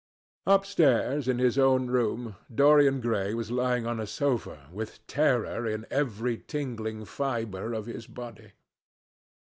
Upstairs, in his own room, Dorian Gray was lying on a sofa, with terror in every tingling fibre of his body.